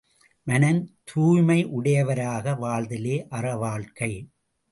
மனம் தூய்மையுடையவராக வாழ்தலே அறவாழ்க்கை.